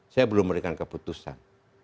saya belum memberikan keputusan